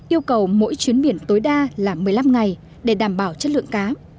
yêu cầu mỗi chuyến biển tối đa là một mươi năm ngày để đảm bảo chất lượng cá